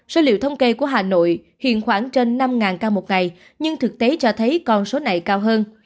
số liệu thống kê của hà nội hiện khoảng trên năm ca một ngày nhưng thực tế cho thấy con số này cao hơn